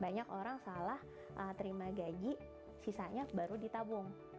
banyak orang salah terima gaji sisanya baru ditabung